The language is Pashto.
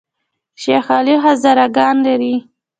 شیخ علي هزاره ګان لري؟